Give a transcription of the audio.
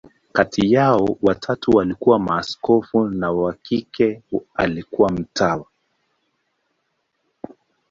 Kati yao, watatu walikuwa maaskofu, na wa kike alikuwa mtawa.